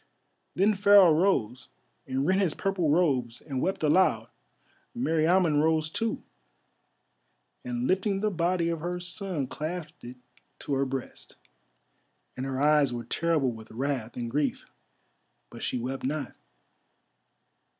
Then Pharaoh rose and rent his purple robes and wept aloud. Meriamun rose too, and lifting the body of her son clasped it to her breast, and her eyes were terrible with wrath and grief, but she wept not.